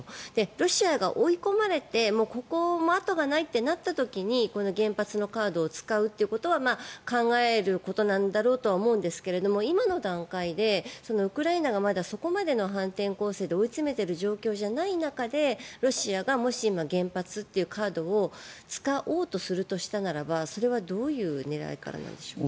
ロシアが追い込まれてここも後がないとなった時に原発のカードを使うということは考えることなんだろうとは思うんですが、今の段階でウクライナがまだそこまでの反転攻勢で追いつめている状況じゃない中でロシアがもし原発というカードを使おうとするとしたならばそれはどういう狙いからなんでしょうか。